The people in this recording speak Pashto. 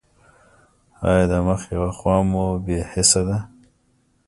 ایا د مخ یوه خوا مو بې حسه ده؟